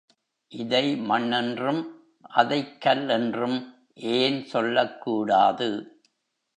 இதை மண் என்றும், அதைக் கல் என்றும் ஏன் சொல்லக்கூடாது?